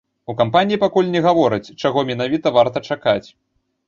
У кампаніі пакуль не гавораць, чаго менавіта варта чакаць.